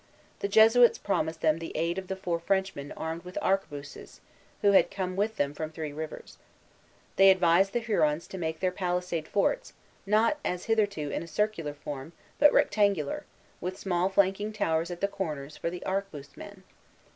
The Jesuits promised them the aid of the four Frenchmen armed with arquebuses, who had come with them from Three Rivers. They advised the Hurons to make their palisade forts, not, as hitherto, in a circular form, but rectangular, with small flanking towers at the corners for the arquebuse men.